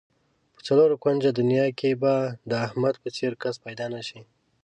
په څلور کونجه دنیا کې به د احمد په څېر کس پیدا نشي.